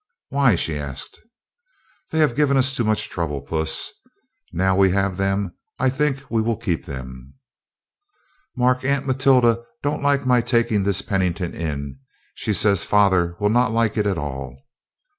"Why?" she asked. "They have given us too much trouble, Puss. Now we have them, I think we will keep them." "Mark, Aunt Matilda don't like my taking this Pennington in. She says father will not like it at all."